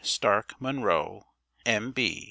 STARK MUNRO, M.B.